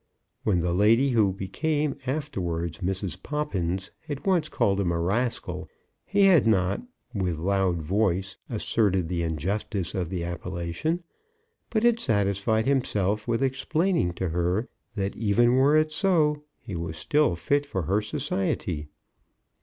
When the lady who became afterwards Mrs. Poppins had once called him a rascal, he had not with loud voice asserted the injustice of the appellation, but had satisfied himself with explaining to her that, even were it so, he was still fit for her society.